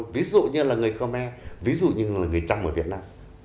ví dụ như là người khơ me ví dụ như là người trăng ở việt nam